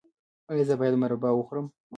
ایا زه باید مربا وخورم؟